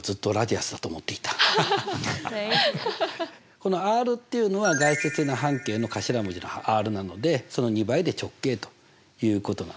このＲっていうのは外接円の半径の頭文字のＲなのでその２倍で直径ということなのね。